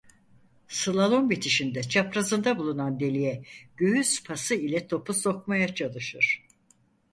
Slalom bitişinde çaprazında bulunan deliğe göğüs pası ile topu sokmaya çalışır.